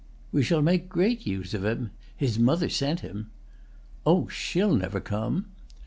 "We shall make great use of him. His mother sent him." "Oh, she'll never come!"